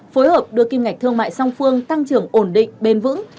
phối hợp đưa kim ngạch thương mại song phương tăng trưởng ổn định bền vững